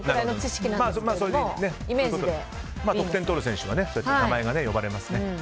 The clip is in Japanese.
得点とる選手は名前が呼ばれますね。